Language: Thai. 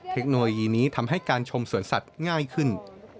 เทคโนโลยีนี้ทำให้การชมสวนสัตว์ง่ายขึ้น